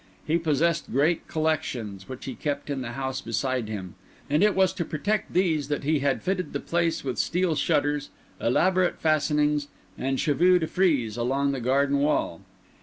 He possessed great collections, which he kept in the house beside him; and it was to protect these that he had fitted the place with steel shutters, elaborate fastenings, and chevaux de frise along the garden wall.